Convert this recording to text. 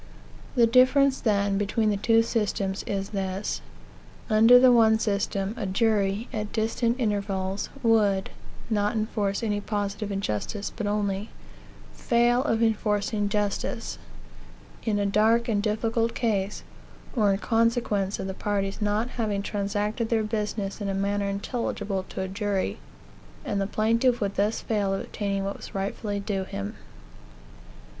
The difference, then, between the two systems is this: Under the one system, a jury, at distant intervals, would (not enforce any positive injustice, but only) fail of enforcing justice, in a dark and difficult case, or in consequence of the parties not having transacted their business in a manner intelligible to a jury; and the plaintiff would thus fail of obtaining what was rightfully due him.